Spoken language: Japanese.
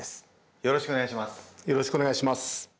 よろしくお願いします。